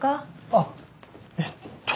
あっえっと